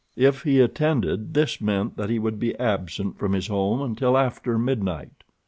If he attended this meant that he would be absent from his home until after midnight.